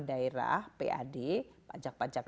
daerah pad pajak pajak